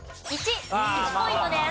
１。１ポイントです。